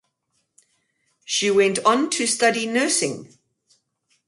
She went on to study nursing.